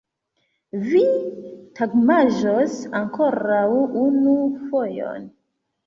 Vi tagmanĝos ankoraŭ unu fojon!